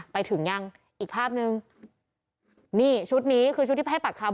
ไปถึงยังอีกภาพนึงนี่ชุดนี้คือชุดที่ให้ปากคำ